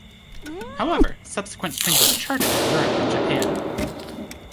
However, subsequent singles charted in Europe and Japan.